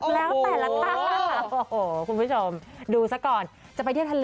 แล้วแต่ละท่าโอ้โหคุณผู้ชมดูซะก่อนจะไปเที่ยวทะเล